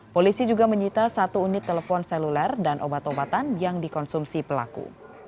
polisi juga menyita satu unit telepon seluler dan obat obatan yang dikonsumsi pelaku